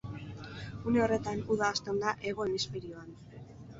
Une horretan uda hasten da hego hemisferioan.